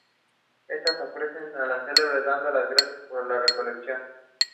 It features Wahaj Ali and Madiha Imam as leads.